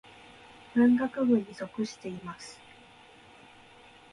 文学部に属しています。